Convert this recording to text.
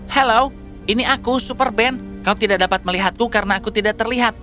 halo ini aku super band kau tidak dapat melihatku karena aku tidak terlihat